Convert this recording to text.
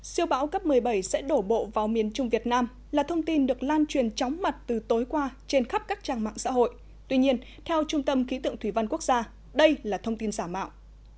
siêu bão cấp một mươi bảy sẽ đổ bộ vào miền trung việt nam là thông tin được lan truyền chóng mặt từ tối qua trên khắp các trang mạng xã hội tuy nhiên theo trung tâm khí tượng thủy văn quốc gia đây là thông tin giả mạo